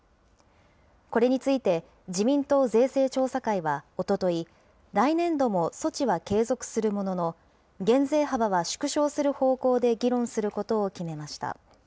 これについて自民党税制調査会はおととい、来年度も措置は継続するものの、減税幅は縮小する方向で議論することを決めました。